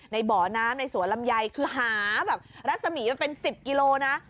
ในหมูน้ำในสวนลำยายคือหารักษมียเป็น๑๐กิโลนะ